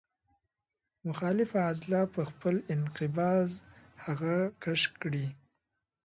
مخالفه عضله په خپل انقباض هغه کش کړي.